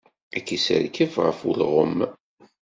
Ad k-isserkeb ɣef ulɣem.